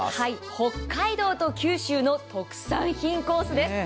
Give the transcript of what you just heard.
北海道と九州の特産品コースです。